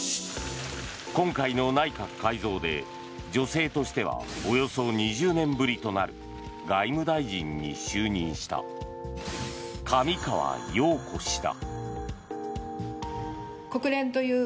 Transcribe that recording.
今回の内閣改造で、女性としてはおよそ２０年ぶりとなる外務大臣に就任した上川陽子氏だ。